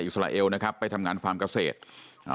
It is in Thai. อิสไลเอลไปทำงานฟาร์มเกษตร